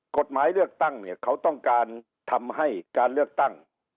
กฎหมายเลือกตั้งเนี่ยเขาต้องการทำให้การเลือกตั้ง